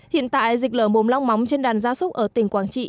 hiện tại dịch lở mồm long móng trên đàn gia súc ở tỉnh quảng trị